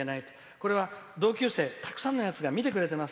これは同級生たくさんのやつが見てくれてます。